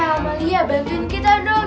ama liat bantuin kita dong